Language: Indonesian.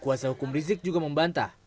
kuasa hukum rizik juga membantah